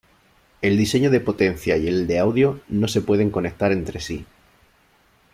El diseño de potencia y el de audio no se pueden conectar entre sí.